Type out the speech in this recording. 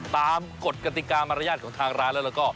กฎกติกามารยาทของทางร้านแล้วก็